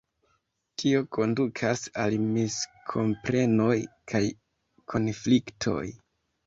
Tio kondukas al miskomprenoj kaj konfliktoj.